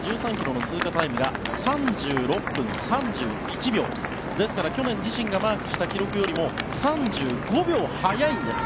１３ｋｍの通過タイムが３６分３１秒ですから去年自身がマークした記録よりも３５秒速いんです。